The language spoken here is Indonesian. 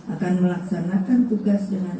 akan melaksanakan tugas dengan